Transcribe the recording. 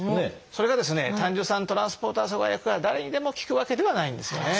それがですね胆汁酸トランスポーター阻害薬は誰にでも効くわけではないんですよね。